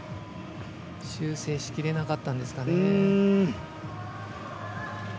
修正しきれなかったんですかね。